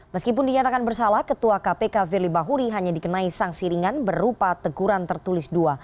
meskipun dinyatakan bersalah ketua kpk firly bahuri hanya dikenai sanksi ringan berupa teguran tertulis dua